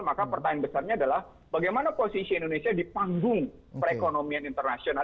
maka pertanyaan besarnya adalah bagaimana posisi indonesia di panggung perekonomian internasional